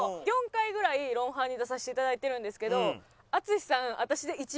４回ぐらい『ロンハー』に出させていただいてるんですけど淳さん